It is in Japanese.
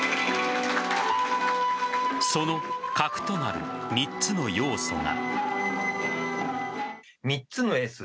その核となる３つの要素が。